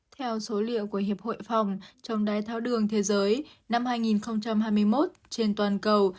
theo số liệu của hiệp hội phòng chống đái tháo đường thế giới năm hai nghìn hai mươi một trên toàn cầu